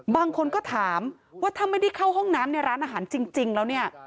บางคนก็ถามว่าถ้าไม่ได้เข้าห้องน้ำในร้านอาหารจริงแล้วเนี่ย